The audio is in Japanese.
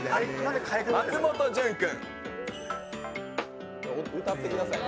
松本潤君。